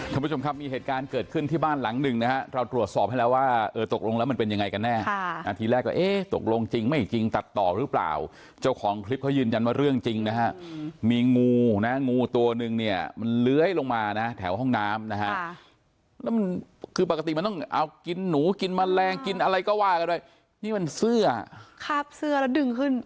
คุณผู้ชมครับมีเหตุการณ์เกิดขึ้นที่บ้านหลังหนึ่งนะฮะเราตรวจสอบให้แล้วว่าเออตกลงแล้วมันเป็นยังไงกันแน่ค่ะอาทิตย์แรกก็เอ๊ะตกลงจริงไม่จริงตัดต่อหรือเปล่าเจ้าของคลิปเขายืนยันว่าเรื่องจริงนะฮะมีงูนะฮะงูตัวหนึ่งเนี่ยมันเล้ยลงมานะฮะแถวห้องน้ำนะฮะแล้วมันคือปก